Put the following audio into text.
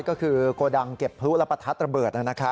ก็คือโกดังเก็บพลุระปะทัดระเบิดนะครับ